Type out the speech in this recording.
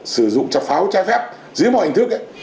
sử dụng chập pháo trai phép dưới mọi hình thức